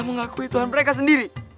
mengakui tuhan mereka sendiri